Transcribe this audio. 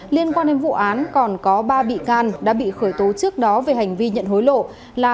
liên quan đến vụ án còn có ba bị can đã bị khởi tố trước đó về hành vi nhận hối lộ